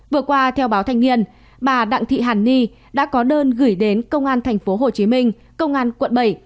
vừa qua theo báo thanh niên bà đặng thị hàn ni đã có đơn gửi đến công an tp hcm công an quận bảy